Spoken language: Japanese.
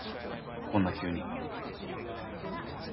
こんな急に。